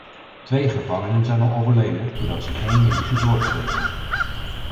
Twee gevangenen zijn al overleden doordat ze geen medische zorg kregen.